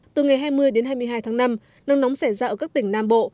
từ ngày hai mươi đến hai mươi hai tháng năm nắng nóng sẽ ra ở các tỉnh nam bộ